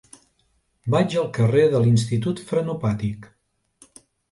Vaig al carrer de l'Institut Frenopàtic.